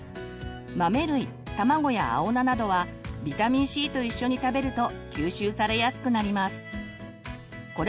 豆類卵や青菜などはビタミンＣと一緒に食べると吸収されやすくなります。